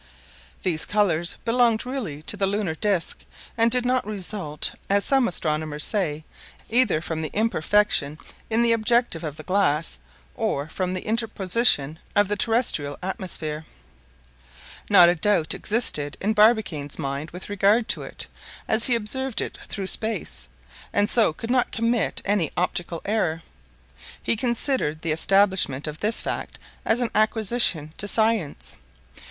These colors belonged really to the lunar disc, and did not result, as some astronomers say, either from the imperfection in the objective of the glasses or from the interposition of the terrestrial atmosphere. Not a doubt existed in Barbicane's mind with regard to it, as he observed it through space, and so could not commit any optical error. He considered the establishment of this fact as an acquisition to science.